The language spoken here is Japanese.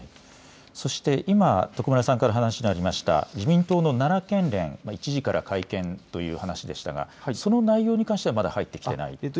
そして今徳丸さんから話がありました自民党の奈良県連１時から会見という話でしたがその内容に関してはまだ入ってきていないですか。